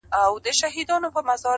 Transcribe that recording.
• بس کیسې دي د پنځه زره کلونو,